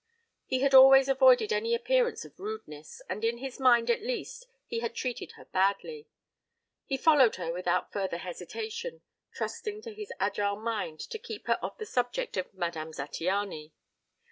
He had always avoided any appearance of rudeness and in his mind at least he had treated her badly; he followed her without further hesitation, trusting to his agile mind to keep her off the subject of Madame Zattiany.